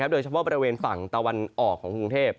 โดยเฉพาะบริเวณฝั่งตะวันออกของกรุงเทพ